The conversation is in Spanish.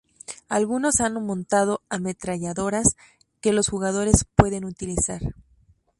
Algunos han montado ametralladoras que los jugadores pueden utilizar.